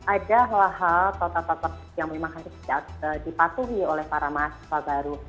ada hal hal atau tata tata yang memang harus dipatuhi oleh para mahasiswa baru